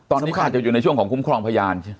ตอนนี้เขาอาจจะอยู่ในช่วงของคุ้มครองพยาน